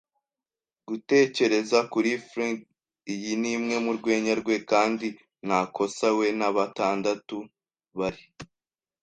gutekereza kuri Flint. Iyi nimwe murwenya rwe, kandi ntakosa. We na batandatu bari